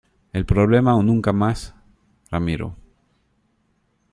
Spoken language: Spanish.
el problema o nunca mas, Ramiro.